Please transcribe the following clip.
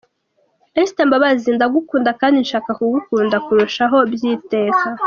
Esther Mbabazi ndagukunda kandi nshaka kugukunda kurushaho by’iteka.